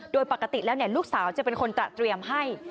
โดยปกติแล้วลูกสาวจะเป็นคนตระเตรียมให้